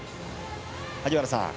萩原さん